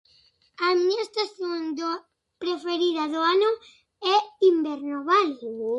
A miña estación do, preferida do ano é inverno, vale?